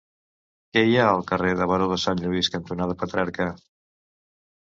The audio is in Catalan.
Què hi ha al carrer Baró de Sant Lluís cantonada Petrarca?